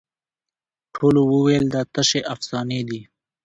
ټولو وویل دا تشي افسانې دي